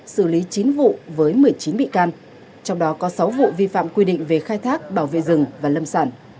xử lý chín vụ với một mươi chín bị can trong đó có sáu vụ vi phạm quy định về khai thác bảo vệ rừng và lâm sản